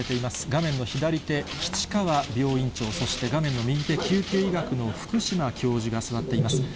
画面の左手、吉川病院長、そして画面の右手、救急医学の福島教授が座っています。